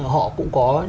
họ cũng có